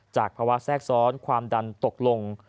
ภาวะแทรกซ้อนความดันตกลง